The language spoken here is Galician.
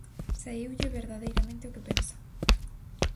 Saíulle verdadeiramente o que pensa.